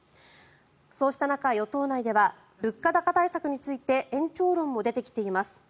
そうした中、与党内では物価高対策について延長論も出てきています。